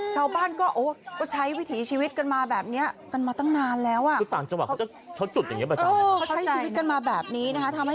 ชาวบ้านก็ใช้วิถีชีวิตกันมาแบบนี้